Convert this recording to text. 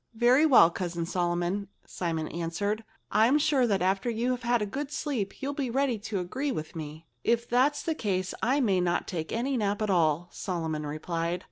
"Very well, Cousin Solomon!" Simon answered. "I'm sure that after you've had a good sleep you'll be ready to agree with me." "If that's the case, I may not take any nap at all," Solomon replied.